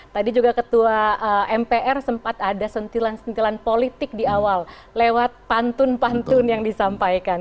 tadi juga ketua mpr sempat ada sentilan sentilan politik di awal lewat pantun pantun yang disampaikan